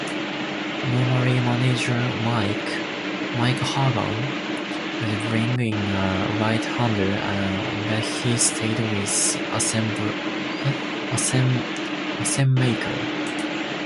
Normally manager Mike Hargrove would bring in a right-hander, but he stayed with Assenmacher.